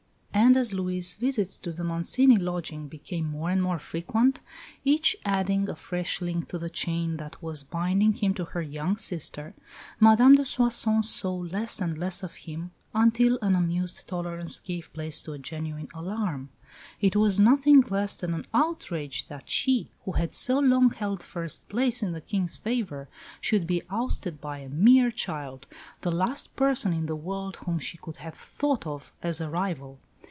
And as Louis' visits to the Mancini lodging became more and more frequent, each adding a fresh link to the chain that was binding him to her young sister, Madame de Soissons saw less and less of him, until an amused tolerance gave place to a genuine alarm. It was nothing less than an outrage that she, who had so long held first place in the King's favour, should be ousted by a "mere child," the last person in the world whom she could have thought of as a rival.